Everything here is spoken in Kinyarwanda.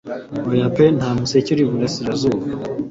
Oya pe nta museke uri mu burasirazuba